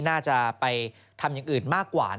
น่าจะไปทำอย่างอื่นมากกว่า